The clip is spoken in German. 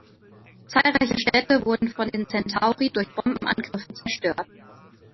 Zahlreiche Städte wurden von den Centauri durch Bombenangriffe zerstört.